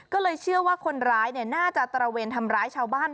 ก็เลยเชื่อว่าคนร้ายน่าจะตระเวนทำร้ายชาวบ้าน